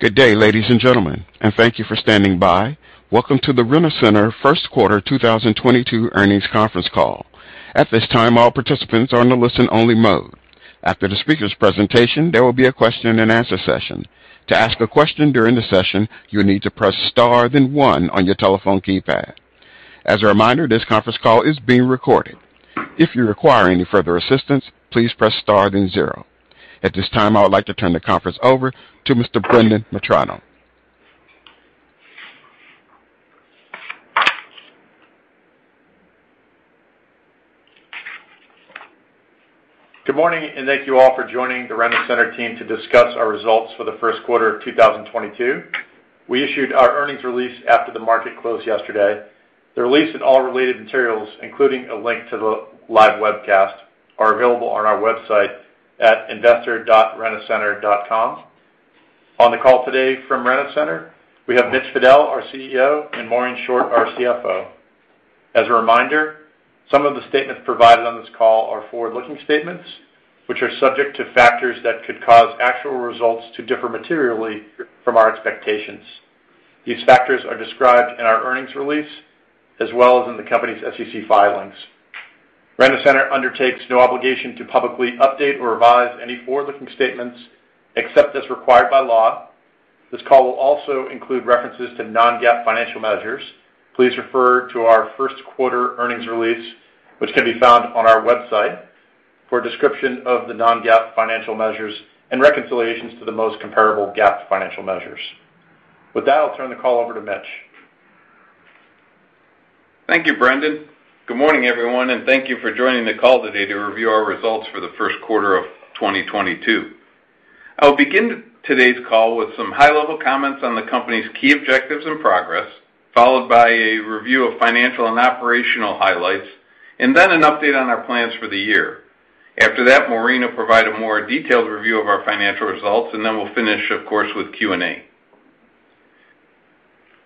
Good day, ladies and gentlemen, and thank you for standing by. Welcome to the Rent-A-Center First Quarter 2022 Earnings Conference Call. At this time, all participants are in a listen-only mode. After the speakers' presentation, there will be a question-and-answer session. To ask a question during the session, you'll need to press Star, then one on your telephone keypad. As a reminder, this conference call is being recorded. If you require any further assistance, please press Star, then zero. At this time, I would like to turn the conference over to Mr. Brendan Metrano. Good morning, and thank you all for joining the Rent-A-Center team to discuss our results for the first quarter of 2022. We issued our earnings release after the market closed yesterday. The release and all related materials, including a link to the live webcast, are available on our website at investor.rentacenter.com. On the call today from Rent-A-Center, we have Mitch Fadel, our CEO, and Maureen Short, our CFO. As a reminder, some of the statements provided on this call are forward-looking statements, which are subject to factors that could cause actual results to differ materially from our expectations. These factors are described in our earnings release, as well as in the company's SEC filings. Rent-A-Center undertakes no obligation to publicly update or revise any forward-looking statements except as required by law. This call will also include references to non-GAAP financial measures. Please refer to our first quarter earnings release, which can be found on our website, for a description of the non-GAAP financial measures and reconciliations to the most comparable GAAP financial measures. With that, I'll turn the call over to Mitch. Thank you, Brendan. Good morning, everyone, and thank you for joining the call today to review our results for the first quarter of 2022. I'll begin today's call with some high-level comments on the company's key objectives and progress, followed by a review of financial and operational highlights, and then an update on our plans for the year. After that, Maureen will provide a more detailed review of our financial results, and then we'll finish, of course, with Q&A.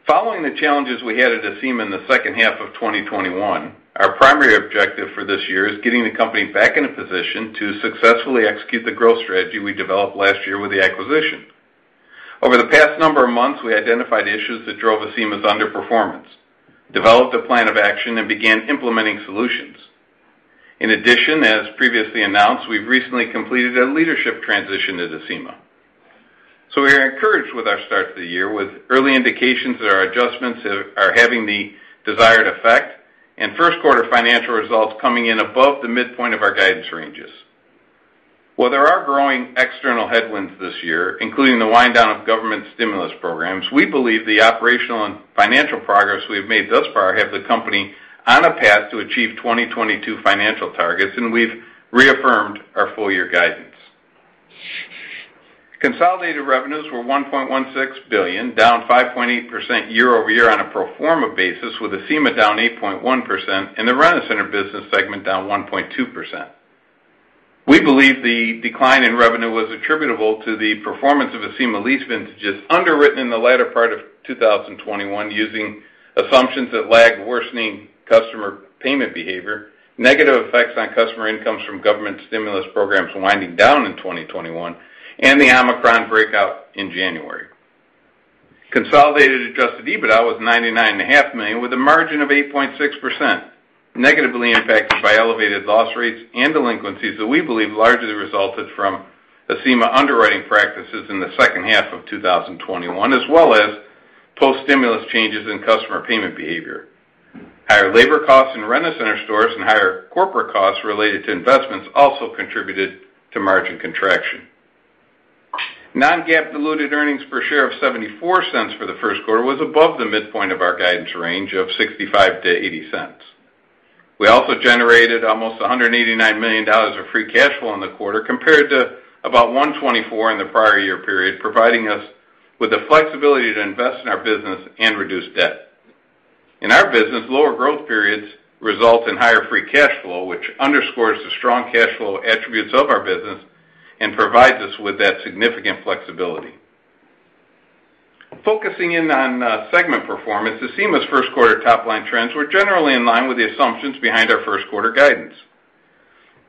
Following the challenges we had at Acima in the second half of 2021, our primary objective for this year is getting the company back in a position to successfully execute the growth strategy we developed last year with the acquisition. Over the past number of months, we identified issues that drove Acima's underperformance, developed a plan of action, and began implementing solutions. In addition, as previously announced, we've recently completed a leadership transition at Acima. We are encouraged with our start to the year with early indications that our adjustments are having the desired effect and first-quarter financial results coming in above the midpoint of our guidance ranges. While there are growing external headwinds this year, including the wind-down of government stimulus programs, we believe the operational and financial progress we have made thus far have the company on a path to achieve 2022 financial targets, and we've reaffirmed our full-year guidance. Consolidated revenues were $1.16 billion, down 5.8% year-over-year on a pro forma basis, with Acima down 8.1% and the Rent-A-Center business segment down 1.2%. We believe the decline in revenue was attributable to the performance of Acima lease vintages underwritten in the latter part of 2021 using assumptions that lag worsening customer payment behavior, negative effects on customer incomes from government stimulus programs winding down in 2021, and the Omicron breakout in January. Consolidated adjusted EBITDA was $99.5 million, with a margin of 8.6%, negatively impacted by elevated loss rates and delinquencies that we believe largely resulted from Acima underwriting practices in the second half of 2021, as well as post-stimulus changes in customer payment behavior. Higher labor costs in Rent-A-Center stores and higher corporate costs related to investments also contributed to margin contraction. Non-GAAP diluted earnings per share of $0.74 for the first quarter was above the midpoint of our guidance range of $0.65-$0.80. We generated almost $189 million of free cash flow in the quarter compared to about $124 million in the prior year period, providing us with the flexibility to invest in our business and reduce debt. In our business, lower growth periods result in higher free cash flow, which underscores the strong cash flow attributes of our business and provides us with that significant flexibility. Focusing in on segment performance, Acima's first quarter top-line trends were generally in line with the assumptions behind our first-quarter guidance.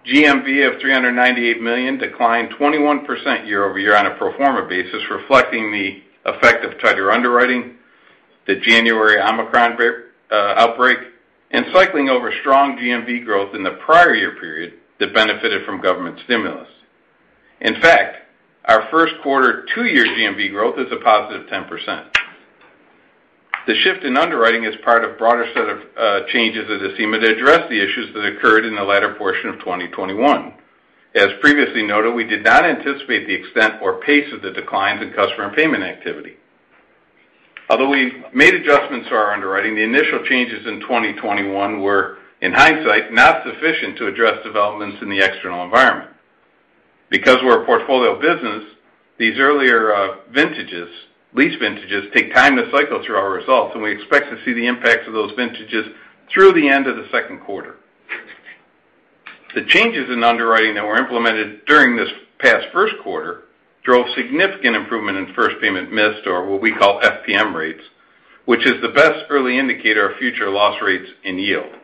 GMV of $398 million declined 21% year-over-year on a pro forma basis, reflecting the effect of tighter underwriting, the January Omicron outbreak, and cycling over strong GMV growth in the prior year period that benefited from government stimulus. In fact, our first quarter two-year GMV growth is a positive 10%. The shift in underwriting is part of a broader set of changes at Acima to address the issues that occurred in the latter portion of 2021. As previously noted, we did not anticipate the extent or pace of the declines in customer payment activity. Although we made adjustments to our underwriting, the initial changes in 2021 were, in hindsight, not sufficient to address developments in the external environment. Because we're a portfolio business, these earlier vintages, lease vintages take time to cycle through our results, and we expect to see the impacts of those vintages through the end of the second quarter. The changes in underwriting that were implemented during this past first quarter drove significant improvement in first payment missed or what we call FPM rates, which is the best early indicator of future loss rates in yield.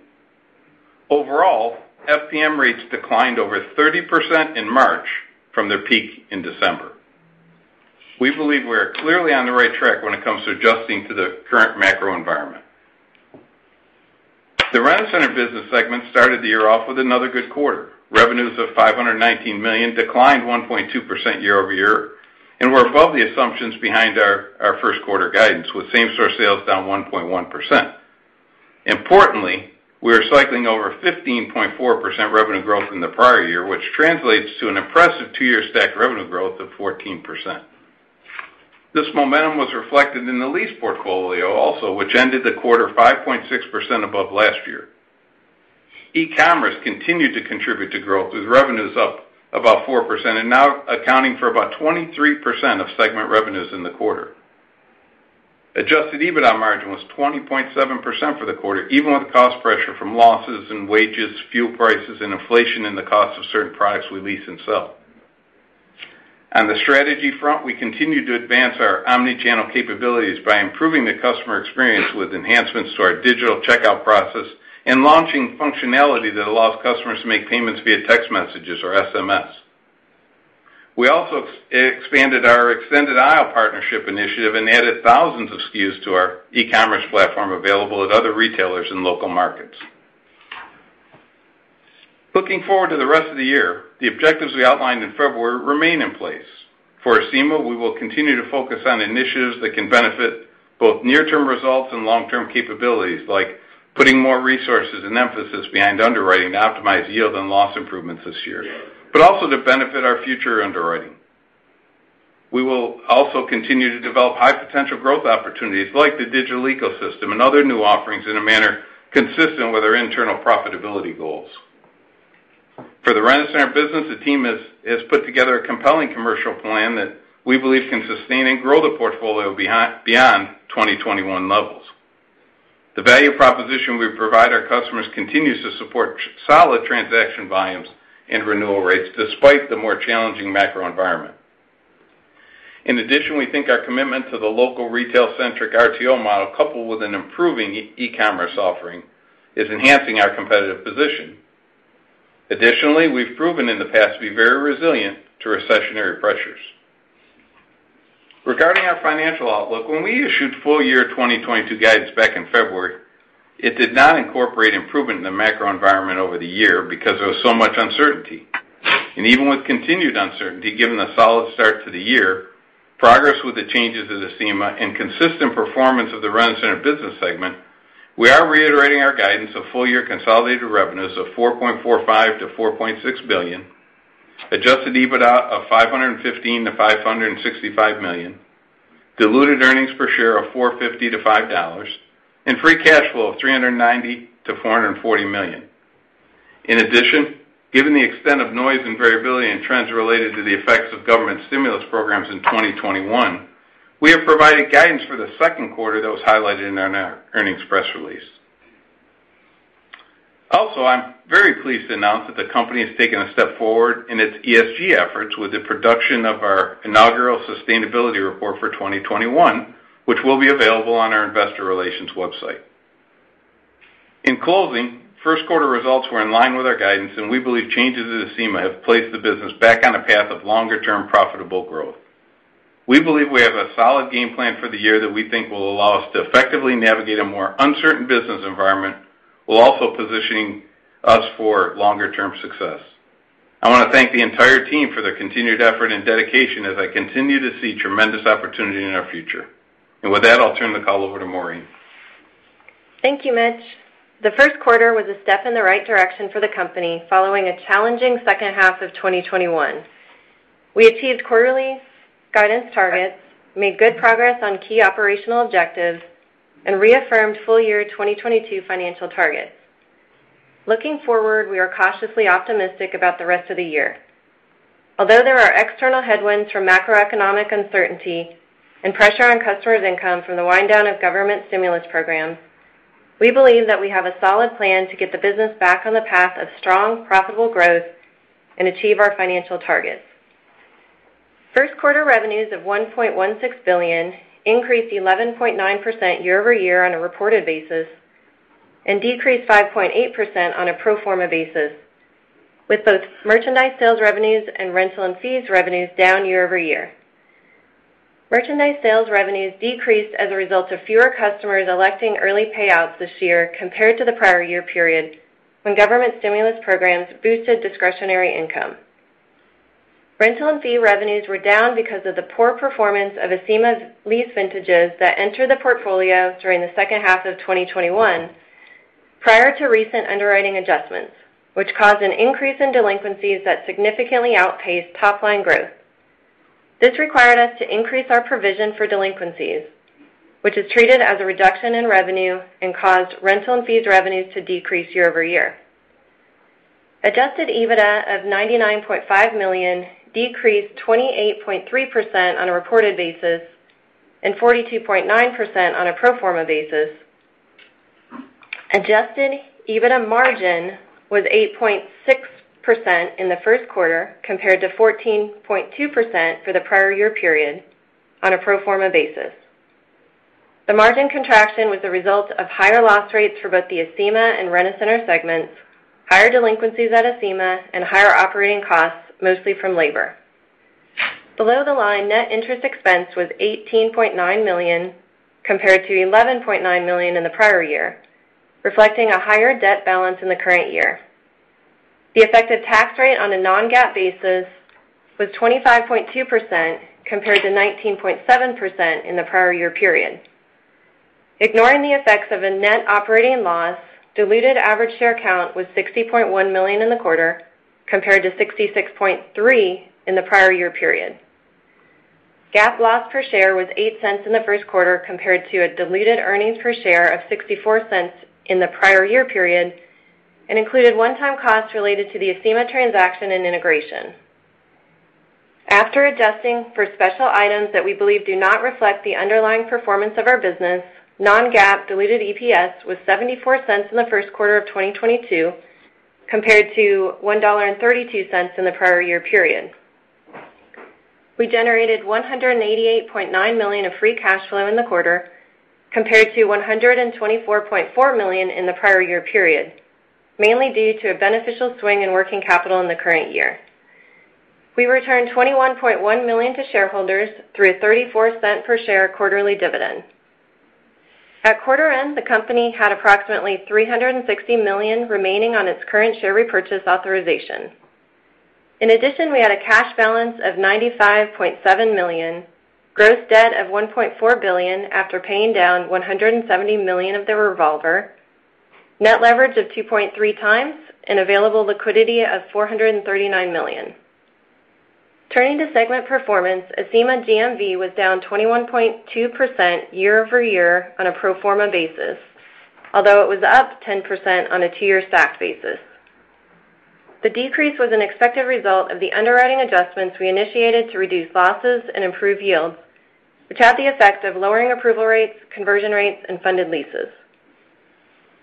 Overall, FPM rates declined over 30% in March from their peak in December. We believe we are clearly on the right track when it comes to adjusting to the current macro environment. The Rent-A-Center business segment started the year off with another good quarter. Revenues of $519 million declined 1.2% year-over-year and were above the assumptions behind our first quarter guidance, with same-store sales down 1.1%. Importantly, we are cycling over 15.4% revenue growth in the prior year, which translates to an impressive two-year stack revenue growth of 14%. This momentum was reflected in the lease portfolio also, which ended the quarter 5.6% above last year. E-commerce continued to contribute to growth with revenues up about 4% and now accounting for about 23% of segment revenues in the quarter. Adjusted EBITDA margin was 20.7% for the quarter, even with cost pressure from losses and wages, fuel prices, and inflation in the cost of certain products we lease and sell. On the strategy front, we continue to advance our omni-channel capabilities by improving the customer experience with enhancements to our digital checkout process and launching functionality that allows customers to make payments via text messages or SMS. We also expanded our Endless Aisle partnership initiative and added thousands of SKUs to our e-commerce platform available at other retailers in local markets. Looking forward to the rest of the year, the objectives we outlined in February remain in place. For Acima, we will continue to focus on initiatives that can benefit both near-term results and long-term capabilities, like putting more resources and emphasis behind underwriting to optimize yield and loss improvements this year, but also to benefit our future underwriting. We will also continue to develop high potential growth opportunities like the Digital Ecosystem and other new offerings in a manner consistent with our internal profitability goals. For the Rent-A-Center business, the team has put together a compelling commercial plan that we believe can sustain and grow the portfolio beyond 2021 levels. The value proposition we provide our customers continues to support solid transaction volumes and renewal rates despite the more challenging macro environment. In addition, we think our commitment to the local retail centric RTO model, coupled with an improving e-commerce offering, is enhancing our competitive position. Additionally, we've proven in the past to be very resilient to recessionary pressures. Regarding our financial outlook, when we issued full year 2022 guidance back in February, it did not incorporate improvement in the macro environment over the year because there was so much uncertainty. Even with continued uncertainty, given the solid start to the year, progress with the changes of Acima and consistent performance of the Rent-A-Center business segment, we are reiterating our guidance of full year consolidated revenues of $4.45 billion-$4.6 billion, adjusted EBITDA of $515 million-$565 million, diluted earnings per share of $4.50-$5, and free cash flow of $390 million-$440 million. In addition, given the extent of noise and variability and trends related to the effects of government stimulus programs in 2021, we have provided guidance for the second quarter that was highlighted in our earnings press release. Also, I'm very pleased to announce that the company has taken a step forward in its ESG efforts with the production of our inaugural sustainability report for 2021, which will be available on our investor relations website. In closing, first quarter results were in line with our guidance, and we believe changes to the Acima have placed the business back on a path of longer-term profitable growth. We believe we have a solid game plan for the year that we think will allow us to effectively navigate a more uncertain business environment, while also positioning us for longer-term success. I want to thank the entire team for their continued effort and dedication as I continue to see tremendous opportunity in our future. With that, I'll turn the call over to Maureen. Thank you, Mitch. The first quarter was a step in the right direction for the company following a challenging second half of 2021. We achieved quarterly guidance targets, made good progress on key operational objectives, and reaffirmed full year 2022 financial targets. Looking forward, we are cautiously optimistic about the rest of the year. Although there are external headwinds from macroeconomic uncertainty and pressure on customers' income from the wind down of government stimulus programs, we believe that we have a solid plan to get the business back on the path of strong, profitable growth and achieve our financial targets. First quarter revenues of $1.16 billion increased 11.9% year over year on a reported basis and decreased 5.8% on a pro forma basis, with both merchandise sales revenues and rental and fees revenues down year over year. Merchandise sales revenues decreased as a result of fewer customers electing early payouts this year compared to the prior year period when government stimulus programs boosted discretionary income. Rental and fee revenues were down because of the poor performance of Acima's lease vintages that entered the portfolio during the second half of 2021 prior to recent underwriting adjustments, which caused an increase in delinquencies that significantly outpaced top line growth. This required us to increase our provision for delinquencies, which is treated as a reduction in revenue and caused rental and fees revenues to decrease year-over-year. Adjusted EBITDA of $99.5 million decreased 28.3% on a reported basis and 42.9% on a pro forma basis. Adjusted EBITDA margin was 8.6% in the first quarter compared to 14.2% for the prior year period on a pro forma basis. The margin contraction was the result of higher loss rates for both the Acima and Rent-A-Center segments, higher delinquencies at Acima, and higher operating costs, mostly from labor. Below the line, net interest expense was $18.9 million compared to $11.9 million in the prior year, reflecting a higher debt balance in the current year. The effective tax rate on a non-GAAP basis was 25.2% compared to 19.7% in the prior year period. Ignoring the effects of a net operating loss, diluted average share count was 60.1 million in the quarter compared to 66.3 in the prior year period. GAAP loss per share was $0.08 in the first quarter compared to a diluted earnings per share of $0.64 in the prior year period and included one-time costs related to the Acima transaction and integration. After adjusting for special items that we believe do not reflect the underlying performance of our business, non-GAAP diluted EPS was $0.74 in the first quarter of 2022 compared to $1.32 in the prior year period. We generated $188.9 million of free cash flow in the quarter compared to $124.4 million in the prior year period, mainly due to a beneficial swing in working capital in the current year. We returned $21.1 million to shareholders through a $0.34 per share quarterly dividend. At quarter end, the company had approximately $360 million remaining on its current share repurchase authorization. In addition, we had a cash balance of $95.7 million, gross debt of $1.4 billion after paying down $170 million of the revolver, net leverage of 2.3x, and available liquidity of $439 million. Turning to segment performance, Acima GMV was down 21.2% year-over-year on a pro forma basis, although it was up 10% on a 2-year stacked basis. The decrease was an expected result of the underwriting adjustments we initiated to reduce losses and improve yields, which had the effect of lowering approval rates, conversion rates, and funded leases.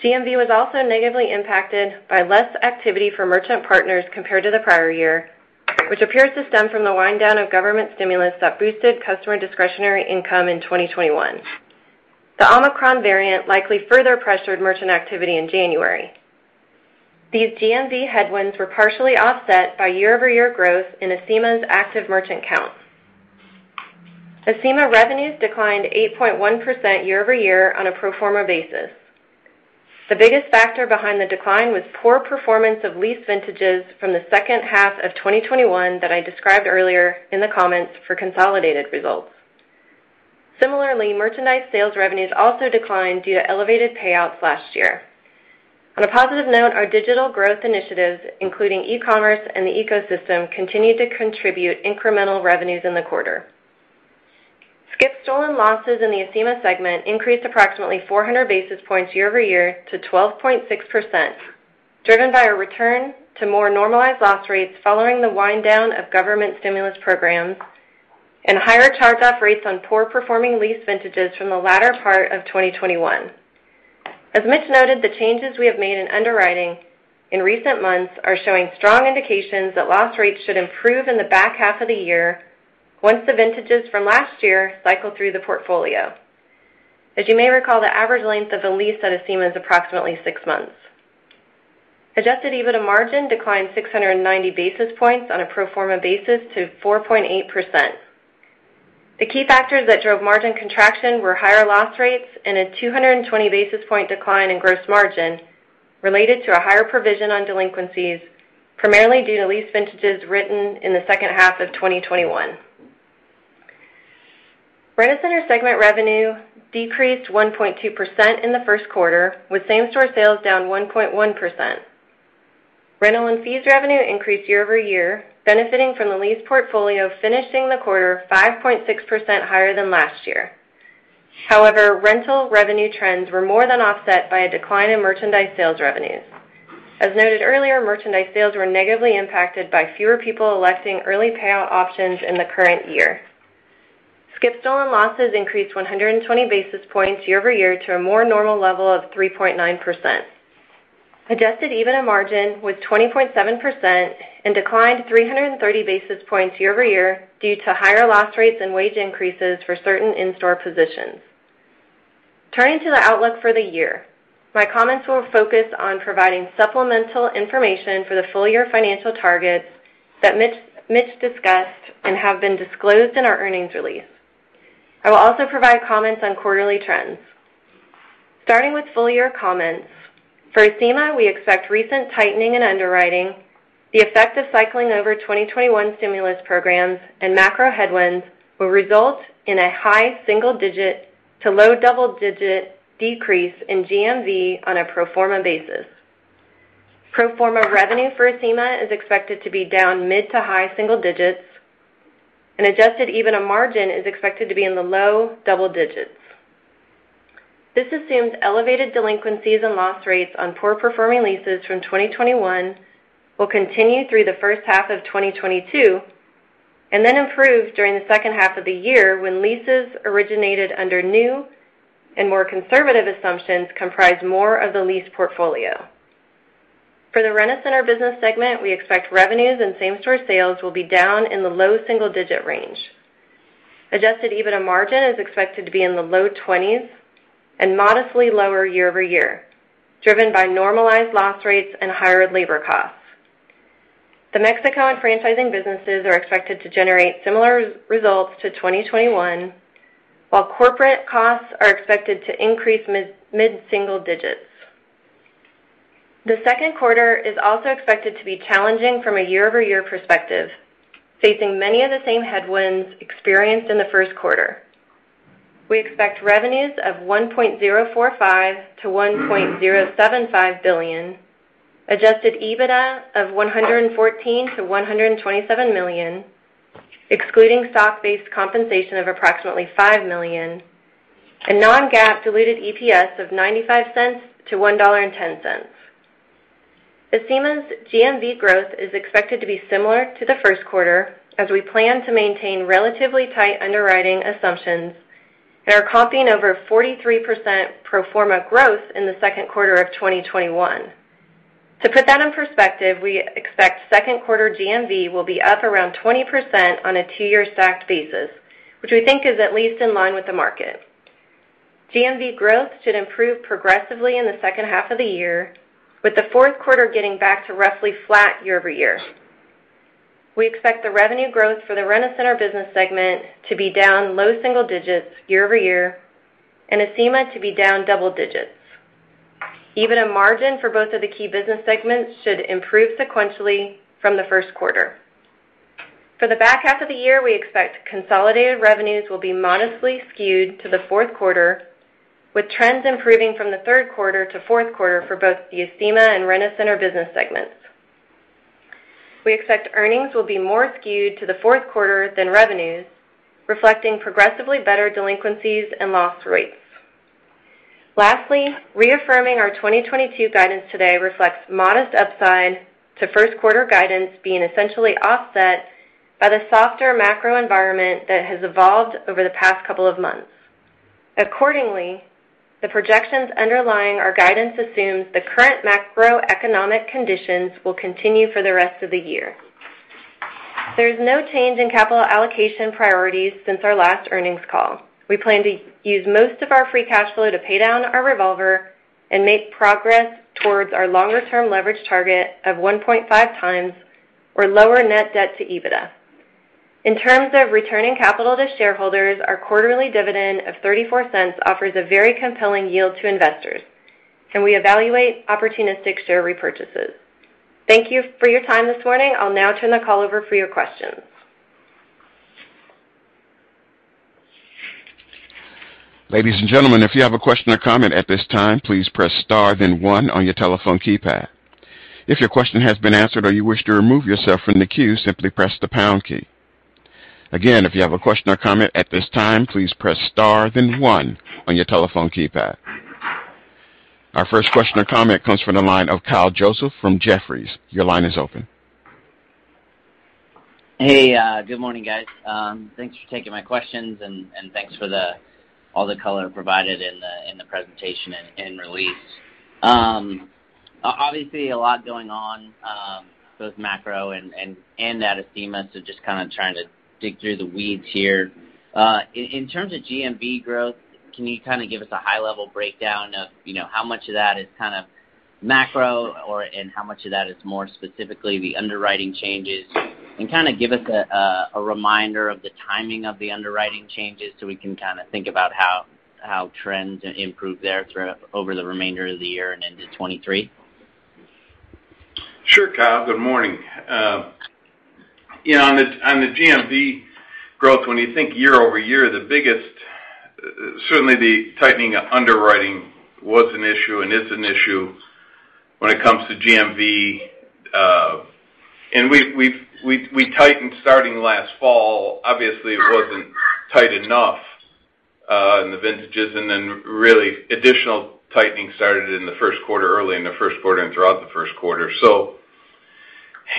GMV was also negatively impacted by less activity for merchant partners compared to the prior year, which appears to stem from the wind down of government stimulus that boosted customer discretionary income in 2021. The Omicron variant likely further pressured merchant activity in January. These GMV headwinds were partially offset by year-over-year growth in Acima's active merchant count. Acima revenues declined 8.1% year-over-year on a pro forma basis. The biggest factor behind the decline was poor performance of lease vintages from the second half of 2021 that I described earlier in the comments for consolidated results. Similarly, merchandise sales revenues also declined due to elevated payouts last year. On a positive note, our digital growth initiatives, including e-commerce and the ecosystem, continued to contribute incremental revenues in the quarter. Skip/stolen losses in the Acima segment increased approximately 400 basis points year-over-year to 12.6%, driven by a return to more normalized loss rates following the wind down of government stimulus programs and higher charge-off rates on poor performing lease vintages from the latter part of 2021. As Mitch noted, the changes we have made in underwriting in recent months are showing strong indications that loss rates should improve in the back half of the year once the vintages from last year cycle through the portfolio. As you may recall, the average length of a lease at Acima is approximately six months. Adjusted EBITDA margin declined 690 basis points on a pro forma basis to 4.8%. The key factors that drove margin contraction were higher loss rates and a 220 basis point decline in gross margin related to a higher provision on delinquencies, primarily due to lease vintages written in the second half of 2021. Rent-A-Center segment revenue decreased 1.2% in the first quarter, with same-store sales down 1.1%. Rental and fees revenue increased year-over-year, benefiting from the lease portfolio finishing the quarter 5.6% higher than last year. However, rental revenue trends were more than offset by a decline in merchandise sales revenues. As noted earlier, merchandise sales were negatively impacted by fewer people electing early payout options in the current year. Skip/stolen losses increased 120 basis points year-over-year to a more normal level of 3.9%. Adjusted EBITDA margin was 20.7% and declined 330 basis points year-over-year due to higher loss rates and wage increases for certain in-store positions. Turning to the outlook for the year, my comments will focus on providing supplemental information for the full-year financial targets that Mitch discussed and have been disclosed in our earnings release. I will also provide comments on quarterly trends. Starting with full-year comments, for Acima, we expect recent tightening in underwriting, the effect of cycling over 2021 stimulus programs, and macro headwinds will result in a high single-digit to low double-digit decrease in GMV on a pro forma basis. Pro forma revenue for Acima is expected to be down mid- to high single-digits and adjusted EBITDA margin is expected to be in the low double-digits. This assumes elevated delinquencies and loss rates on poor performing leases from 2021 will continue through the first half of 2022 and then improve during the second half of the year when leases originated under new and more conservative assumptions comprise more of the lease portfolio. For the Rent-A-Center business segment, we expect revenues and same-store sales will be down in the low single-digit range. Adjusted EBITDA margin is expected to be in the low 20s and modestly lower year-over-year, driven by normalized loss rates and higher labor costs. The Mexico and franchising businesses are expected to generate similar results to 2021, while corporate costs are expected to increase mid single digits. The second quarter is also expected to be challenging from a year-over-year perspective, facing many of the same headwinds experienced in the first quarter. We expect revenues of $1.045 billion-$1.075 billion, adjusted EBITDA of $114 million-$127 million, excluding stock-based compensation of approximately $5 million, and non-GAAP diluted EPS of $0.95-$1.10. Acima's GMV growth is expected to be similar to the first quarter as we plan to maintain relatively tight underwriting assumptions and are comping over 43% pro forma growth in the second quarter of 2021. To put that in perspective, we expect second quarter GMV will be up around 20% on a two-year stacked basis, which we think is at least in line with the market. GMV growth should improve progressively in the second half of the year, with the fourth quarter getting back to roughly flat year-over-year. We expect the revenue growth for the Rent-A-Center business segment to be down low single digits year-over-year and Acima to be down double digits. EBITDA margin for both of the key business segments should improve sequentially from the first quarter. For the back half of the year, we expect consolidated revenues will be modestly skewed to the fourth quarter, with trends improving from the third quarter to fourth quarter for both the Acima and Rent-A-Center business segments. We expect earnings will be more skewed to the fourth quarter than revenues, reflecting progressively better delinquencies and loss rates. Lastly, reaffirming our 2022 guidance today reflects modest upside to first quarter guidance being essentially offset by the softer macro environment that has evolved over the past couple of months. Accordingly, the projections underlying our guidance assumes the current macroeconomic conditions will continue for the rest of the year. There's no change in capital allocation priorities since our last earnings call. We plan to use most of our free cash flow to pay down our revolver and make progress towards our longer-term leverage target of 1.5x or lower net debt to EBITDA. In terms of returning capital to shareholders, our quarterly dividend of $0.34 offers a very compelling yield to investors, and we evaluate opportunistic share repurchases. Thank you for your time this morning. I'll now turn the call over for your questions. Ladies and gentlemen, if you have a question or comment at this time, please press star then one on your telephone keypad. If your question has been answered or you wish to remove yourself from the queue, simply press the pound key. Again, if you have a question or comment at this time, please press star then one on your telephone keypad. Our first question or comment comes from the line of Kyle Joseph from Jefferies. Your line is open. Hey, good morning, guys. Thanks for taking my questions and thanks for all the color provided in the presentation and release. Obviously, a lot going on, both macro and at Acima, so just kinda trying to dig through the weeds here. In terms of GMV growth, can you kinda give us a high-level breakdown of, you know, how much of that is kind of macro or how much of that is more specifically the underwriting changes? Kinda give us a reminder of the timing of the underwriting changes so we can kinda think about how trends improve there over the remainder of the year and into 2023. Sure, Kyle. Good morning. You know, on the GMV growth, when you think year-over-year, the biggest certainly the tightening of underwriting was an issue and is an issue when it comes to GMV. We've tightened starting last fall. Obviously, it wasn't tight enough in the vintages. Then really additional tightening started in the first quarter, early in the first quarter and throughout the first quarter.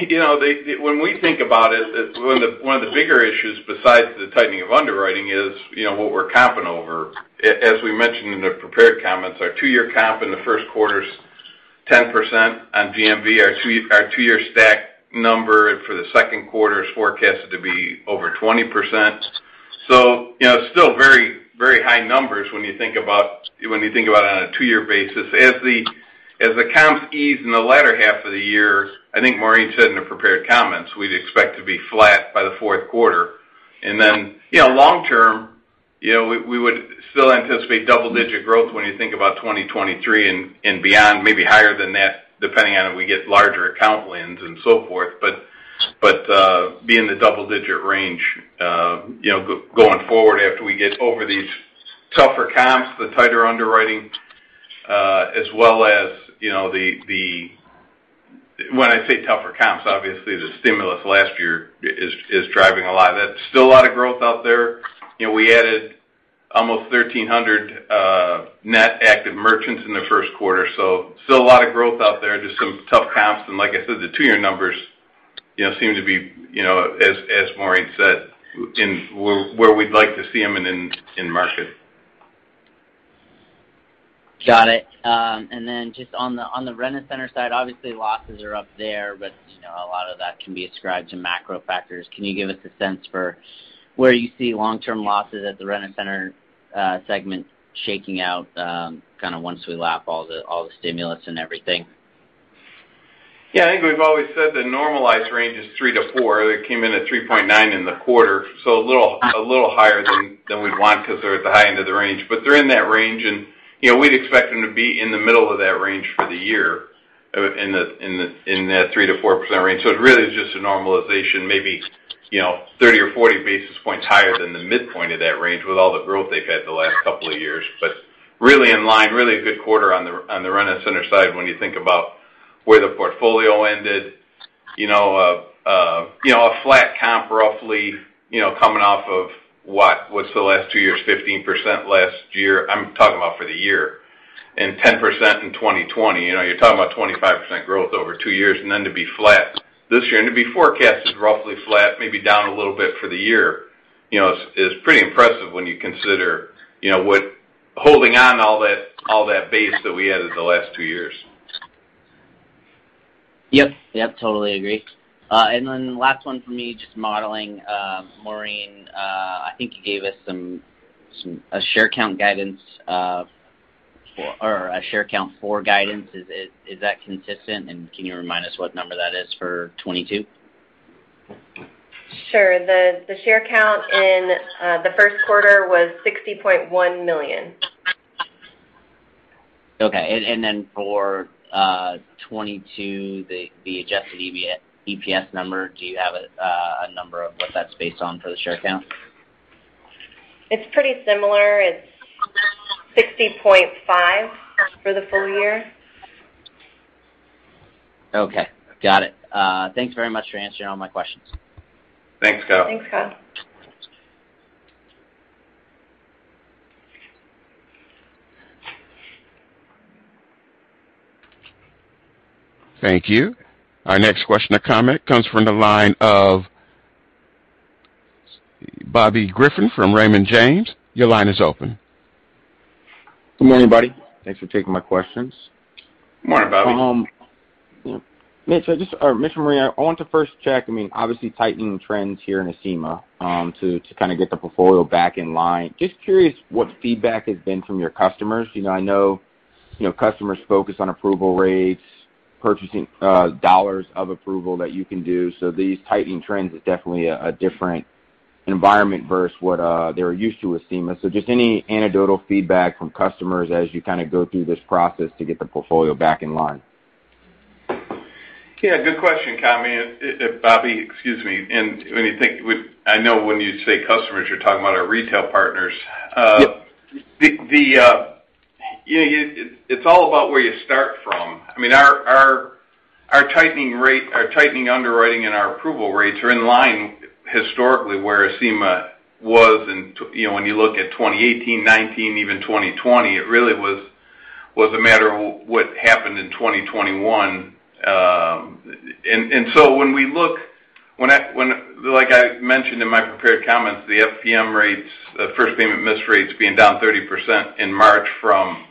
You know, when we think about it, one of the bigger issues besides the tightening of underwriting is what we're comping over. As we mentioned in the prepared comments, our two-year comp in the first quarter is 10% on GMV. Our two-year stack number for the second quarter is forecasted to be over 20%. You know, still very, very high numbers when you think about it on a two-year basis. As the comps ease in the latter half of the year, I think Maureen said in her prepared comments, we'd expect to be flat by the fourth quarter. You know, long term, you know, we would still anticipate double-digit growth when you think about 2023 and beyond, maybe higher than that, depending on if we get larger account wins and so forth. Be in the double-digit range, you know, going forward after we get over these tougher comps, the tighter underwriting, as well as, you know, the. When I say tougher comps, obviously the stimulus last year is driving a lot of that. Still a lot of growth out there. You know, we added almost 1,300 net active merchants in the first quarter, so still a lot of growth out there, just some tough comps. Like I said, the two-year numbers, you know, seem to be, you know, as Maureen said, where we'd like to see them in market. Got it. Just on the Rent-A-Center side, obviously losses are up there, but, you know, a lot of that can be ascribed to macro factors. Can you give us a sense for where you see long-term losses at the Rent-A-Center segment shaking out, kind of once we lap all the stimulus and everything? Yeah. I think we've always said the normalized range is 3-4. They came in at 3.9 in the quarter, so a little higher than we'd want because they're at the high end of the range. They're in that range and, you know, we'd expect them to be in the middle of that range for the year, in that 3%-4% range. It really is just a normalization, maybe, you know, 30 or 40 basis points higher than the midpoint of that range with all the growth they've had the last couple of years. Really in line, really a good quarter on the Rent-A-Center side when you think about where the portfolio ended. You know, a flat comp roughly, you know, coming off of what? What's the last two years? 15% last year. I'm talking about for the year. 10% in 2020. You know, you're talking about 25% growth over two years, and then to be flat this year. To be forecasted roughly flat, maybe down a little bit for the year, you know, is pretty impressive when you consider, you know, what holding on all that, all that base that we added the last two years. Yep. Yep, totally agree. Last one for me, just modeling, Maureen. I think you gave us some share count guidance or a share count for guidance. Is that consistent? Can you remind us what number that is for 2022? Sure. The share count in the first quarter was 60.1 million. For 2022, the adjusted EPS number, do you have a number of what that's based on for the share count? It's pretty similar. It's 60.5 for the full year. Okay. Got it. Thanks very much for answering all my questions. Thanks, Kyle. Thanks, Kyle. Thank you. Our next question or comment comes from the line of Bobby Griffin from Raymond James. Your line is open. Good morning, everybody. Thanks for taking my questions. Morning, Bobby. Mitch and Maureen, I want to first check, I mean, obviously tightening trends here in Acima, to kind of get the portfolio back in line. Just curious what feedback has been from your customers. You know, I know, you know, customers focus on approval rates, purchasing dollars of approval that you can do. So these tightening trends is definitely a different environment versus what they're used to with Acima. So just any anecdotal feedback from customers as you kind of go through this process to get the portfolio back in line. Yeah, good question, Kyle. I mean, Bobby, excuse me. When you think—I know when you say customers, you're talking about our retail partners. Yep. It's all about where you start from. I mean, our tightening rate, our tightening underwriting and our approval rates are in line historically where Acima was, you know, when you look at 2018, 2019, even 2020, it really was a matter of what happened in 2021. Like I mentioned in my prepared comments, the FPM rates, first payment missed rates being down 30% in March from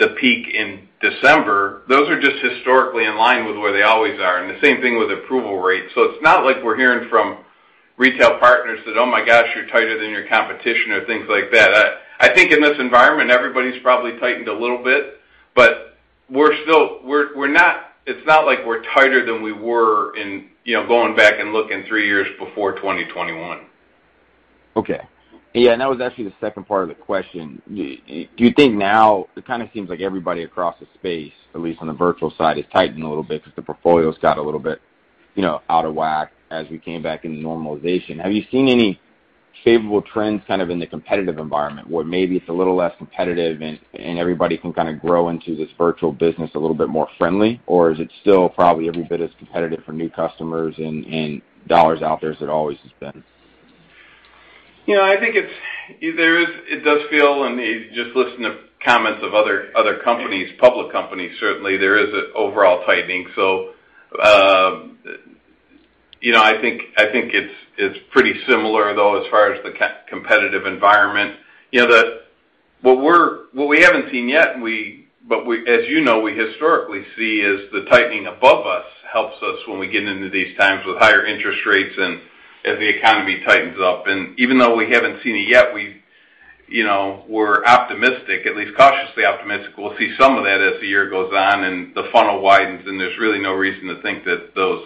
the peak in December, those are just historically in line with where they always are, and the same thing with approval rates. It's not like we're hearing from retail partners that, "Oh my gosh, you're tighter than your competition," or things like that. I think in this environment, everybody's probably tightened a little bit, but we're still not. It's not like we're tighter than we were in, you know, going back and looking 3 years before 2021. Okay. Yeah, that was actually the second part of the question. Do you think now it kind of seems like everybody across the space, at least on the virtual side, is tightened a little bit because the portfolio's got a little bit, you know, out of whack as we came back into normalization. Have you seen any favorable trends kind of in the competitive environment where maybe it's a little less competitive and everybody can kind of grow into this virtual business a little bit more friendly, or is it still probably every bit as competitive for new customers and dollars out there as it always has been? You know, I think it's. It does feel, and just listening to comments of other companies, public companies certainly, there is an overall tightening. You know, I think it's pretty similar though as far as the competitive environment. You know, what we haven't seen yet, but we, as you know, we historically see is the tightening above us helps us when we get into these times with higher interest rates and as the economy tightens up. Even though we haven't seen it yet, you know, we're optimistic, at least cautiously optimistic we'll see some of that as the year goes on and the funnel widens, and there's really no reason to think that those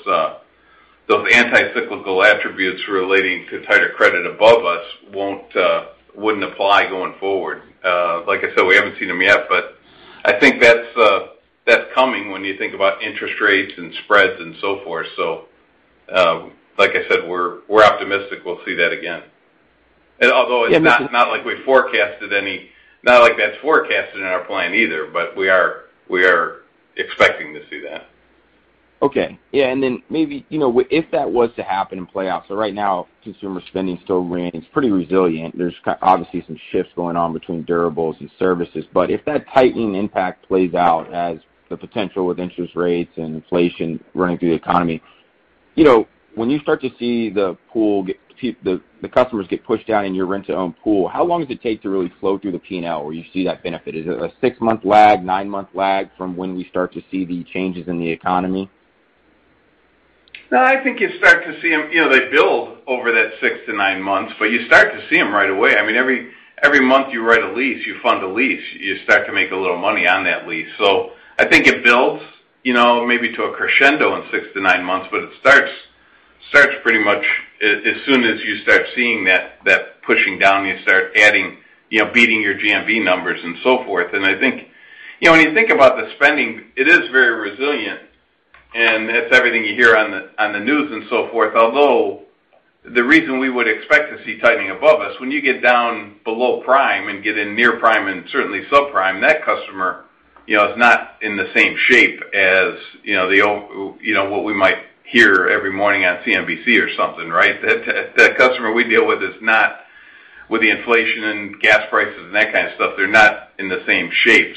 counter-cyclical attributes relating to tighter credit above us wouldn't apply going forward. Like I said, we haven't seen them yet, but I think that's coming when you think about interest rates and spreads and so forth. Like I said, we're optimistic we'll see that again. Although it's not like that's forecasted in our plan either, but we are expecting to see that. Okay. Yeah, maybe, you know, if that was to happen and play out. Right now, consumer spending still remains pretty resilient. There's obviously some shifts going on between durables and services. If that tightening impact plays out as the potential with interest rates and inflation running through the economy, you know, when you start to see the pool, the customers get pushed down in your rent-to-own pool, how long does it take to really flow through the P&L where you see that benefit? Is it a six-month lag, nine-month lag from when we start to see the changes in the economy? No, I think you start to see them. You know, they build over that 6-9 months, but you start to see them right away. I mean, every month you write a lease, you fund a lease, you start to make a little money on that lease. So I think it builds, you know, maybe to a crescendo in 6-9 months, but it starts pretty much as soon as you start seeing that pushing down, you start adding, you know, beating your GMV numbers and so forth. I think, you know, when you think about the spending, it is very resilient, and it's everything you hear on the news and so forth. Although the reason we would expect to see tightening above us, when you get down below prime and get in near prime and certainly subprime, that customer, you know, is not in the same shape as, you know, what we might hear every morning on CNBC or something, right? That customer we deal with is not with the inflation and gas prices and that kind of stuff, they're not in the same shape.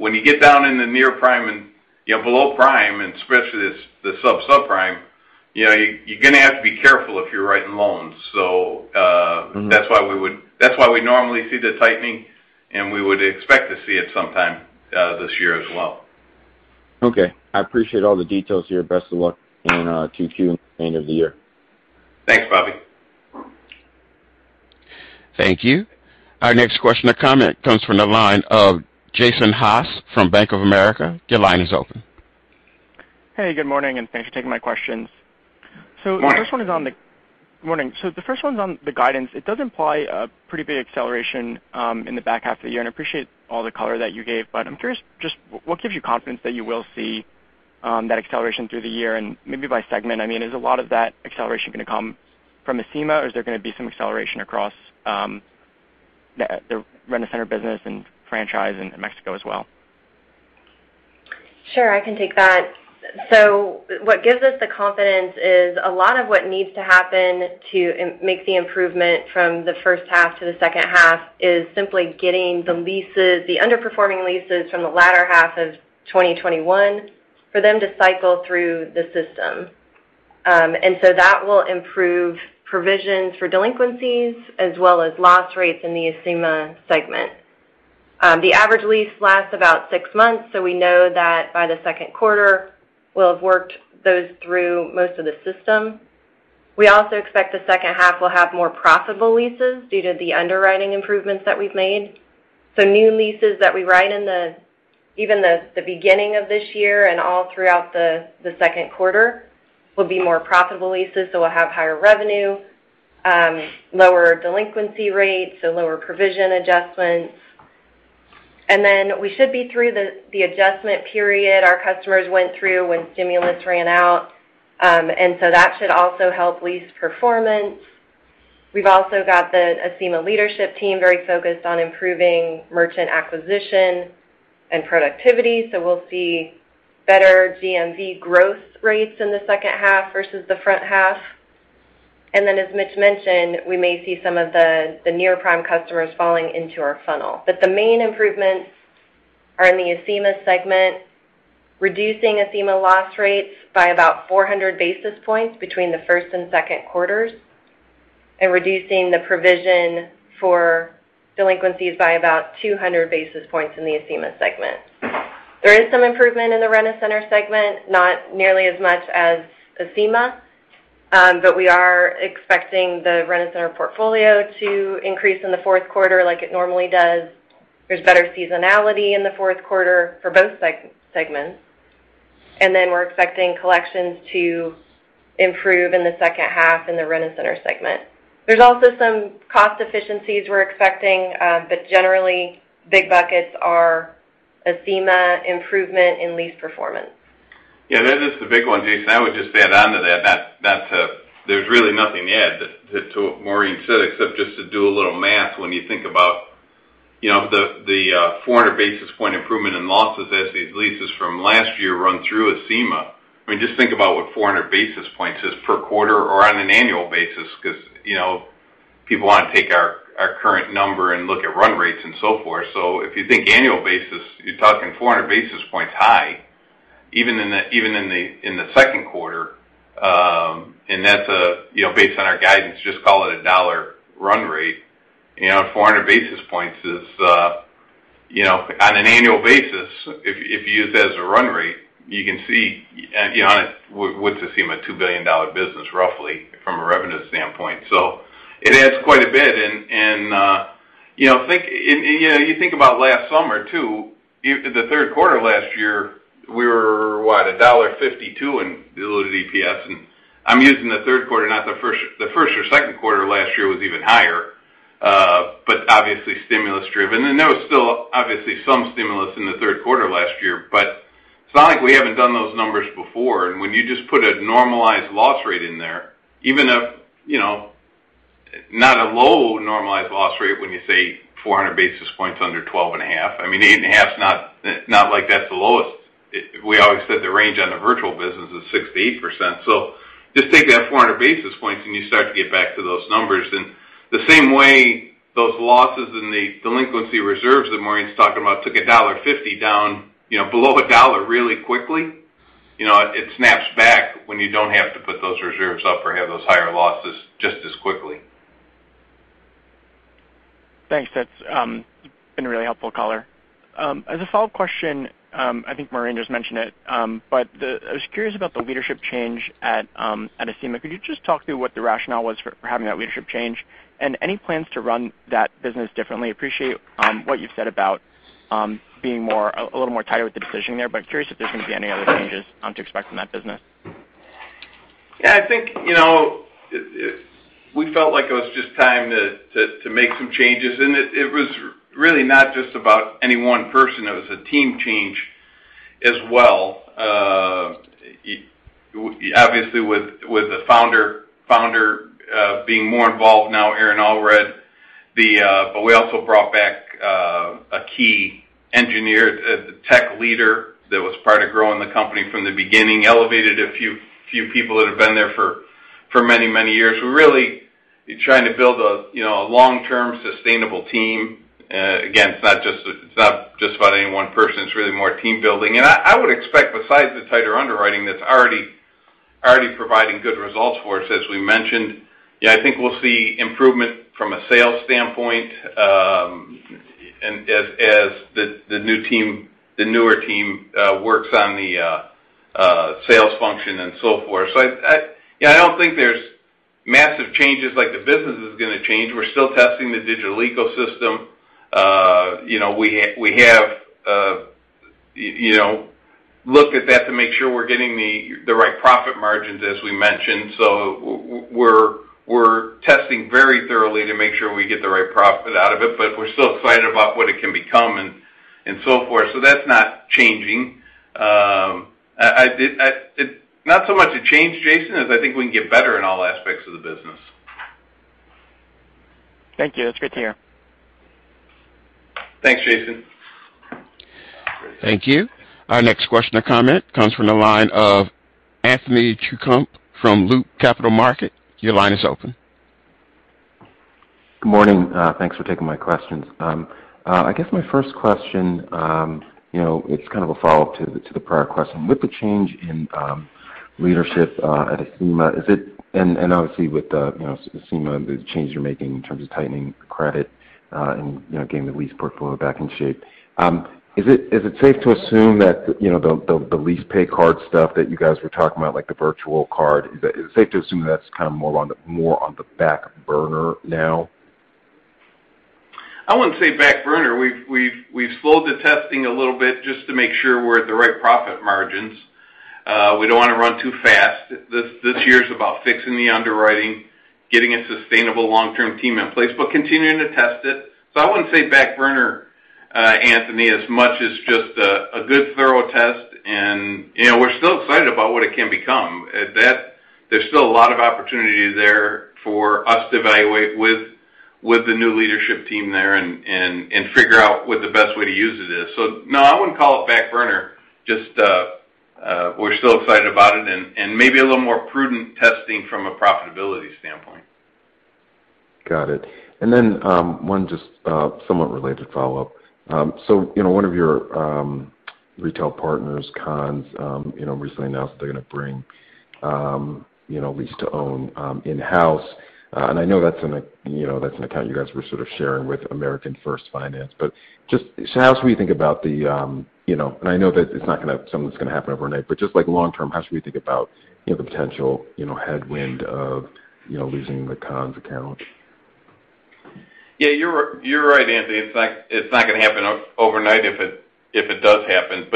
When you get down into near prime and, you know, below prime, and especially the subprime, you know, you're gonna have to be careful if you're writing loans. Mm-hmm. That's why we normally see the tightening, and we would expect to see it sometime this year as well. Okay. I appreciate all the details here. Best of luck in 2Q and end of the year. Thanks, Bobby. Thank you. Our next question or comment comes from the line of Jason Haas from Bank of America. Your line is open. Hey, good morning, and thanks for taking my questions. Morning. The first one's on the guidance. It does imply a pretty big acceleration in the back half of the year, and I appreciate all the color that you gave, but I'm curious just what gives you confidence that you will see that acceleration through the year and maybe by segment. I mean, is a lot of that acceleration gonna come from Acima, or is there gonna be some acceleration across the Rent-A-Center business and franchise in Mexico as well? Sure. I can take that. What gives us the confidence is a lot of what needs to happen to make the improvement from the first half to the second half is simply getting the leases, the underperforming leases from the latter half of 2021, for them to cycle through the system. That will improve provisions for delinquencies as well as loss rates in the Acima segment. The average lease lasts about 6 months, so we know that by the second quarter, we'll have worked those through most of the system. We also expect the second half will have more profitable leases due to the underwriting improvements that we've made. New leases that we write in even the beginning of this year and all throughout the second quarter will be more profitable leases, so we'll have higher revenue, lower delinquency rates, so lower provision adjustments. We should be through the adjustment period our customers went through when stimulus ran out. That should also help lease performance. We've also got the Acima leadership team very focused on improving merchant acquisition and productivity, so we'll see better GMV growth rates in the second half versus the front half. As Mitch mentioned, we may see some of the near-prime customers falling into our funnel. The main improvements are in the Acima segment, reducing Acima loss rates by about 400 basis points between the first and second quarters and reducing the provision for delinquencies by about 200 basis points in the Acima segment. There is some improvement in the Rent-A-Center segment, not nearly as much as Acima, but we are expecting the Rent-A-Center portfolio to increase in the fourth quarter like it normally does. There's better seasonality in the fourth quarter for both segments, and then we're expecting collections to improve in the second half in the Rent-A-Center segment. There's also some cost efficiencies we're expecting, but generally, big buckets are Acima improvement and lease performance. Yeah, that is the big one, Jason. I would just add on to that. There's really nothing to add to what Maureen said, except just to do a little math when you think about, you know, the 400 basis point improvement in losses as these leases from last year run through Acima. I mean, just think about what 400 basis points is per quarter or on an annual basis because, you know, people wanna take our current number and look at run rates and so forth. If you think annual basis, you're talking 400 basis points high, even in the second quarter, and that's, you know, based on our guidance, just call it a dollar run rate. You know, 400 basis points is, you know, on an annual basis, if you use it as a run rate, you can see. You know, with Acima a $2 billion business roughly from a revenue standpoint. So it adds quite a bit. You know, you think about last summer, too. The third quarter last year, we were, what? $1.52 in diluted EPS. I'm using the third quarter, not the first. The first or second quarter last year was even higher, but obviously stimulus-driven. There was still obviously some stimulus in the third quarter last year, but it's not like we haven't done those numbers before. When you just put a normalized loss rate in there, even a, you know, not a low normalized loss rate when you say 400 basis points under 12.5%. I mean, 8.5% is not like that's the lowest. We always said the range on the virtual business is 6%-8%. So just take that 400 basis points and you start to get back to those numbers. The same way those losses in the delinquency reserves that Maureen's talking about took $1.50 down, you know, below $1 really quickly. You know, it snaps back when you don't have to put those reserves up or have those higher losses just as quickly. Thanks. That's been a really helpful caller. As a follow-up question, I think Maureen just mentioned it, but I was curious about the leadership change at Acima. Could you just talk through what the rationale was for having that leadership change and any plans to run that business differently? Appreciate what you've said about being a little more tighter with the decision there, but curious if there's gonna be any other changes to expect from that business. I think, you know, we felt like it was just time to make some changes, and it was really not just about any one person. It was a team change as well. Obviously, with the founder being more involved now, Aaron Allred. We also brought back a key engineer, the tech leader that was part of growing the company from the beginning, elevated a few people that have been there for many years. We're really trying to build, you know, a long-term sustainable team. Again, it's not just about any one person. It's really more team building. I would expect besides the tighter underwriting that's already providing good results for us, as we mentioned. Yeah, I think we'll see improvement from a sales standpoint, and as the newer team works on the sales function and so forth. Yeah, I don't think there's massive changes like the business is gonna change. We're still testing the Digital Ecosystem. You know, we have looked at that to make sure we're getting the right profit margins, as we mentioned. We're testing very thoroughly to make sure we get the right profit out of it, but we're still excited about what it can become and so forth. That's not changing. It's not so much a change, Jason, as I think we can get better in all aspects of the business. Thank you. That's great to hear. Thanks, Jason. Thank you. Our next question or comment comes from the line of Anthony Chukumba from Loop Capital Markets. Your line is open. Good morning. Thanks for taking my questions. I guess my first question, you know, it's kind of a follow-up to the prior question. With the change in leadership at Acima, and obviously with the Acima change you're making in terms of tightening credit and getting the lease portfolio back in shape, is it safe to assume that the Acima LeasePay card stuff that you guys were talking about, like the virtual card, that's kind of more on the back burner now? I wouldn't say back burner. We've slowed the testing a little bit just to make sure we're at the right profit margins. We don't wanna run too fast. This year's about fixing the underwriting, getting a sustainable long-term team in place, but continuing to test it. I wouldn't say back burner, Anthony, as much as just a good thorough test and. You know, we're still excited about what it can become. That there's still a lot of opportunity there for us to evaluate with the new leadership team there and figure out what the best way to use it is. No, I wouldn't call it back burner, just, we're still excited about it and maybe a little more prudent testing from a profitability standpoint. Got it. One just somewhat related follow-up. You know, one of your retail partners, Conn's, you know, recently announced that they're gonna bring you know, lease to own in-house. I know that's an account you guys were sort of sharing with American First Finance, but just so how does we think about the you know. I know that it's not gonna something that's gonna happen overnight, but just like long-term, how should we think about you know, the potential you know, headwind of you know, losing the Conn's account? Yeah, you're right, Anthony. It's not gonna happen overnight if it does happen.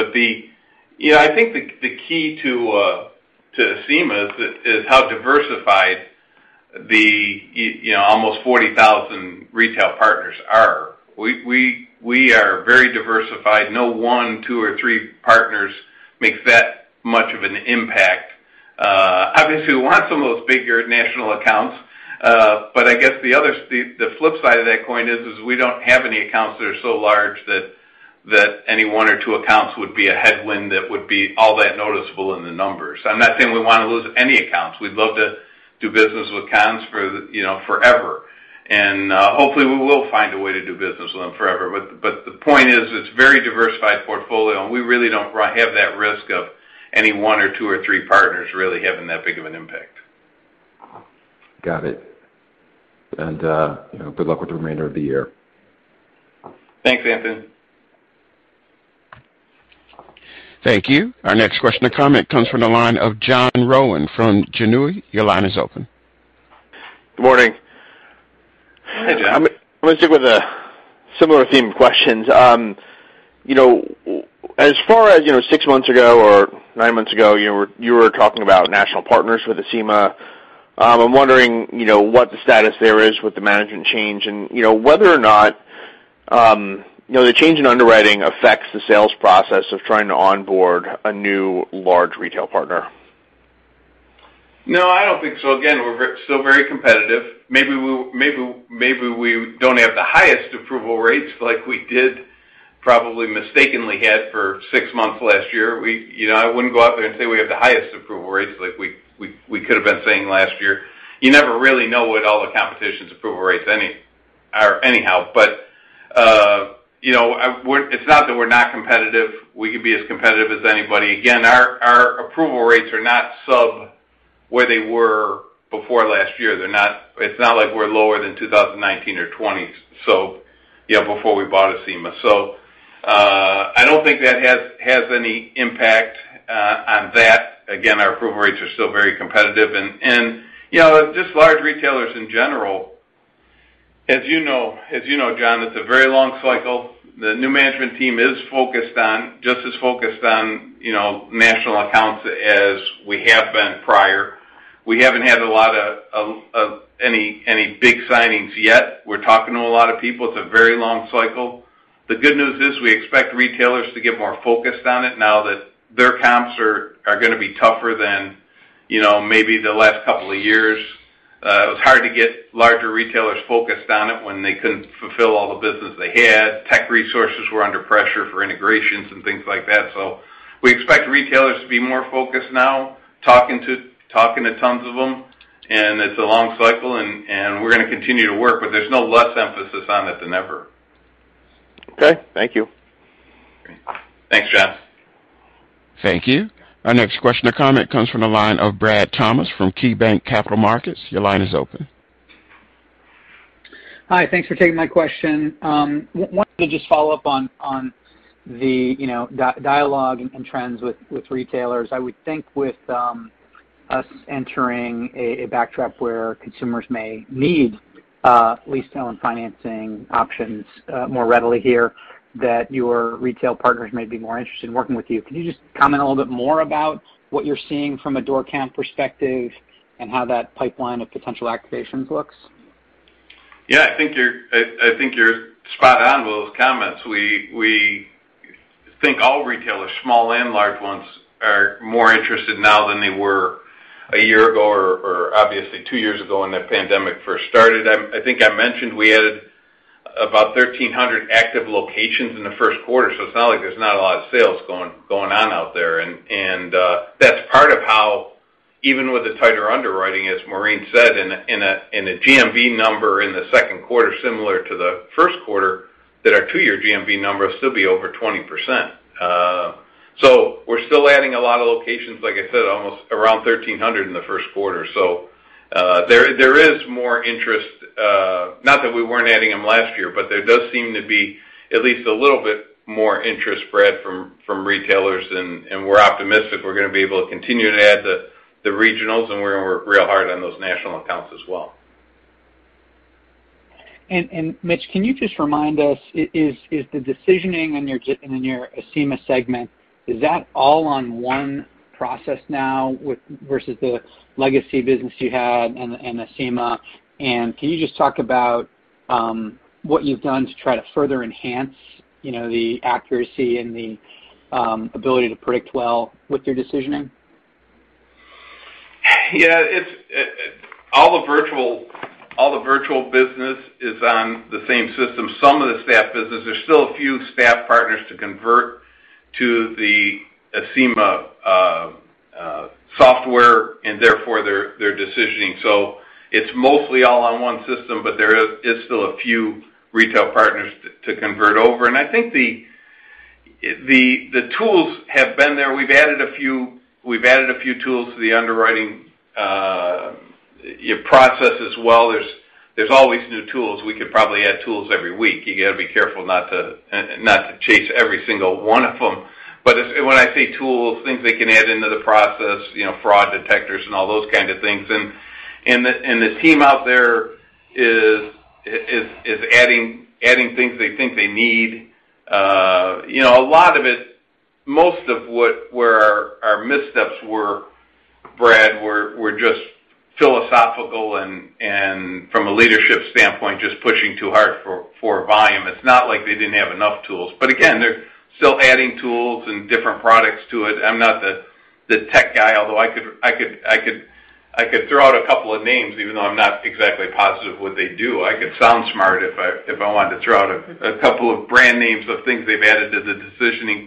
You know, I think the key to Acima is how diversified the almost 40,000 retail partners are. We are very diversified. No one, two, or three partners makes that much of an impact. Obviously we want some of those bigger national accounts, but I guess the other, the flip side of that coin is we don't have any accounts that are so large that any one or two accounts would be a headwind that would be all that noticeable in the numbers. I'm not saying we wanna lose any accounts. We'd love to do business with Conn's for forever. Hopefully we will find a way to do business with them forever. The point is, it's a very diversified portfolio, and we really don't have that risk of any one or two or three partners really having that big of an impact. Uh-huh. Got it. You know, good luck with the remainder of the year. Thanks, Anthony. Thank you. Our next question or comment comes from the line of John Rowan from Janney. Your line is open. Good morning. Hi, John. I'm gonna stick with a similar theme questions. You know, as far as, you know, six months ago or nine months ago, you were talking about national partners with Acima. I'm wondering, you know, what the status there is with the management change and, you know, whether or not, you know, the change in underwriting affects the sales process of trying to onboard a new large retail partner. No, I don't think so. Again, we're still very competitive. Maybe we don't have the highest approval rates like we did probably mistakenly had for six months last year. You know, I wouldn't go out there and say we have the highest approval rates like we could have been saying last year. You never really know what all the competition's approval rates are anyhow. You know, it's not that we're not competitive. We can be as competitive as anybody. Again, our approval rates are not substantially lower than where they were before last year. They're not. It's not like we're lower than 2019 or 2020. Yeah, before we bought Acima. I don't think that has any impact on that. Again, our approval rates are still very competitive and, you know, just large retailers in general. As you know, John, it's a very long cycle. The new management team is focused on, just as focused on, you know, national accounts as we have been prior. We haven't had a lot of any big signings yet. We're talking to a lot of people. It's a very long cycle. The good news is we expect retailers to get more focused on it now that their comps are gonna be tougher than, you know, maybe the last couple of years. It was hard to get larger retailers focused on it when they couldn't fulfill all the business they had. Tech resources were under pressure for integrations and things like that. We expect retailers to be more focused now, talking to tons of them. It's a long cycle and we're gonna continue to work, but there's no less emphasis on it than ever. Okay, thank you. Thanks, John. Thank you. Our next question or comment comes from the line of Brad Thomas from KeyBanc Capital Markets. Your line is open. Hi. Thanks for taking my question. Wanted to just follow up on the, you know, dialogue and trends with retailers. I would think with us entering a backdrop where consumers may need lease-to-own and financing options more readily here, that your retail partners may be more interested in working with you. Can you just comment a little bit more about what you're seeing from a door count perspective and how that pipeline of potential activations looks? Yeah, I think you're spot on with those comments. We think all retailers, small and large ones, are more interested now than they were a year ago, or obviously two years ago when the pandemic first started. I think I mentioned we added about 1,300 active locations in the first quarter, so it's not like there's not a lot of sales going on out there. That's part of how even with the tighter underwriting, as Maureen said, in a GMV number in the second quarter similar to the first quarter, that our two-year GMV numbers still be over 20%. We're still adding a lot of locations, like I said, almost around 1,300 in the first quarter. There is more interest. Not that we weren't adding them last year, but there does seem to be at least a little bit more interest from retailers, and we're optimistic we're gonna be able to continue to add the regionals, and we're gonna work real hard on those national accounts as well. Mitch, can you just remind us, is the decisioning in your Acima segment all on one process now versus the legacy business you had and Acima? Can you just talk about what you've done to try to further enhance, you know, the accuracy and the ability to predict well with your decisioning? Yeah, it's all the virtual business is on the same system. Some of the store business, there's still a few store partners to convert to the Acima software, and therefore, their decisioning. It's mostly all on one system, but there is still a few retail partners to convert over. I think the tools have been there. We've added a few tools to the underwriting process as well. There's always new tools. We could probably add tools every week. You gotta be careful not to chase every single one of them. It's when I say tools, things they can add into the process, you know, fraud detectors and all those kind of things. The team out there is adding things they think they need. You know, a lot of it, most of what our missteps were, Brad, were just philosophical and from a leadership standpoint, just pushing too hard for volume. It's not like they didn't have enough tools. Again, they're still adding tools and different products to it. I'm not the tech guy, although I could throw out a couple of names even though I'm not exactly positive what they do. I could sound smart if I wanted to throw out a couple of brand names of things they've added to the decisioning.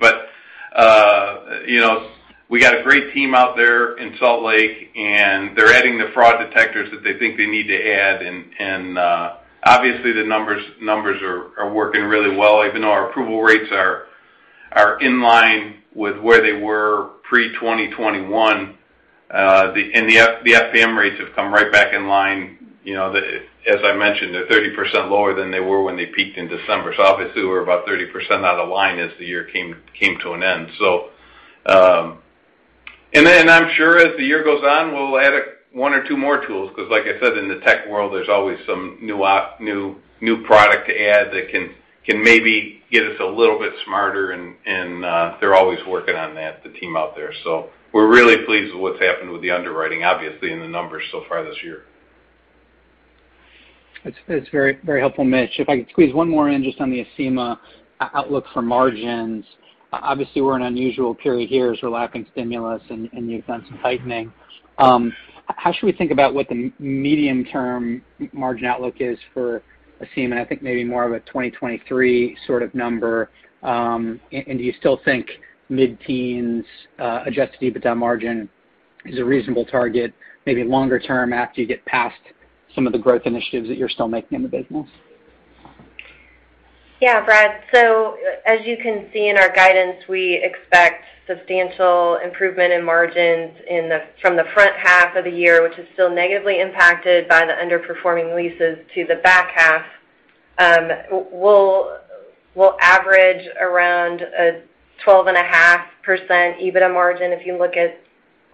You know, we got a great team out there in Salt Lake, and they're adding the fraud detectors that they think they need to add. Obviously, the numbers are working really well, even though our approval rates are in line with where they were pre-2021. The FPM rates have come right back in line. You know, as I mentioned, they're 30% lower than they were when they peaked in December. Obviously, we were about 30% out of line as the year came to an end. I'm sure as the year goes on, we'll add one or two more tools, because like I said, in the tech world, there's always some new product to add that can maybe get us a little bit smarter, and they're always working on that, the team out there. We're really pleased with what's happened with the underwriting, obviously, and the numbers so far this year. It's very helpful, Mitch. If I could squeeze one more in just on the Acima outlook for margins. Obviously, we're in an unusual period here as we're lacking stimulus and you've done some tightening. How should we think about what the medium-term margin outlook is for Acima? I think maybe more of a 2023 sort of number. And do you still think mid-teens adjusted EBITDA margin is a reasonable target, maybe longer term after you get past some of the growth initiatives that you're still making in the business? Yeah, Brad. As you can see in our guidance, we expect substantial improvement in margins from the front half of the year, which is still negatively impacted by the underperforming leases, to the back half. We'll average around a 12.5% EBITDA margin if you look at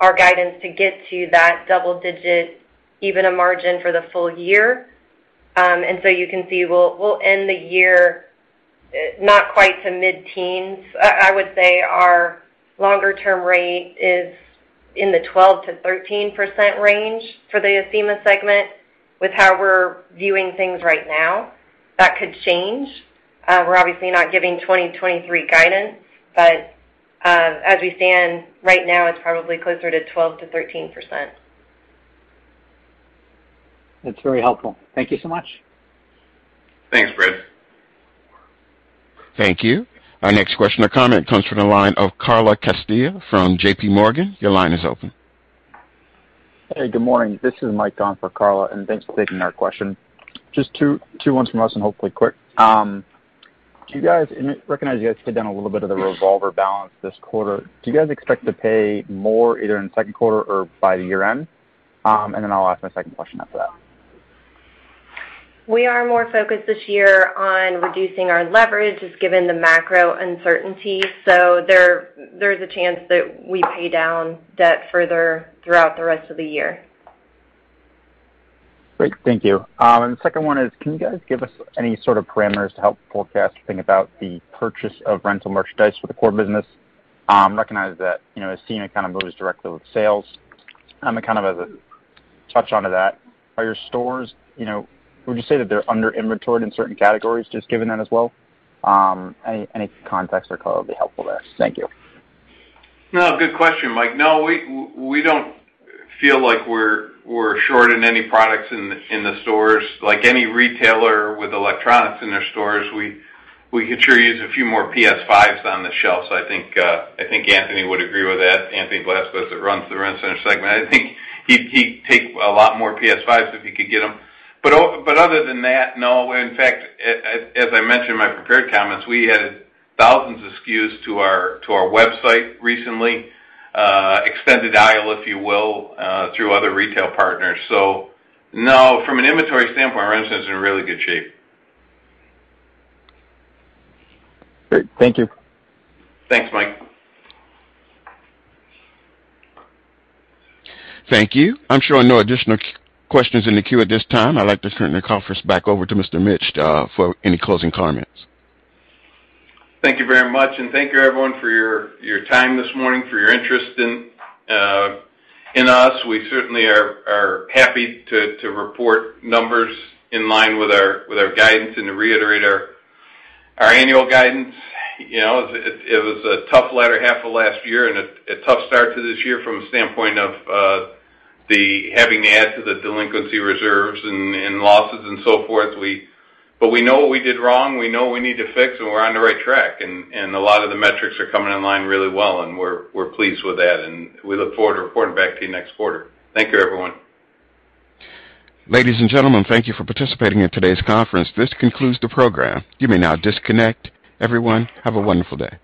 our guidance to get to that double-digit EBITDA margin for the full year. You can see we'll end the year not quite to mid-teens. I would say our longer-term rate is in the 12%-13% range for the Acima segment with how we're viewing things right now. That could change. We're obviously not giving 2023 guidance, but as we stand right now it's probably closer to 12%-13%. That's very helpful. Thank you so much. Thanks, Brad. Thank you. Our next question or comment comes from the line of Carla Casella from JPMorgan. Your line is open. Hey, good morning. This is Mike on for Carla, and thanks for taking our question. Just two quick ones from us, and hopefully quick. I recognize you guys paid down a little bit of the revolver balance this quarter. Do you guys expect to pay more either in the second quarter or by the year-end? Then I'll ask my second question after that. We are more focused this year on reducing our leverage just given the macro uncertainty. There's a chance that we pay down debt further throughout the rest of the year. Great. Thank you. The second one is can you guys give us any sort of parameters to help forecast or think about the purchase of rental merchandise for the core business? Recognize that, you know, Acima kind of moves directly with sales. And kind of as a touch onto that, are your stores, you know, would you say that they're under inventoried in certain categories just given that as well? Any context there would be helpful there. Thank you. No, good question, Mike. No, we don't feel like we're short in any products in the stores. Like any retailer with electronics in their stores, we could sure use a few more PS5 on the shelves. I think Anthony would agree with that, Anthony Blasquez that runs the Rent-A-Center segment. I think he'd take a lot more PS5 if he could get them. Other than that, no. In fact, as I mentioned in my prepared comments, we added thousands of SKUs to our website recently, Endless Aisle, if you will, through other retail partners. No, from an inventory standpoint, our Rent-A-Center's in really good shape. Great. Thank you. Thanks, Mike. Thank you. I'm showing no additional questions in the queue at this time. I'd like to turn the conference back over to Mr. Mitch for any closing comments. Thank you very much, and thank you everyone for your time this morning, for your interest in us. We certainly are happy to report numbers in line with our guidance and to reiterate our annual guidance. You know, it was a tough latter half of last year and a tough start to this year from the standpoint of the having to add to the delinquency reserves and losses and so forth. We know what we did wrong, we know what we need to fix, and we're on the right track, and a lot of the metrics are coming in line really well, and we're pleased with that, and we look forward to reporting back to you next quarter. Thank you, everyone. Ladies and gentlemen, thank you for participating in today's conference. This concludes the program. You may now disconnect. Everyone, have a wonderful day.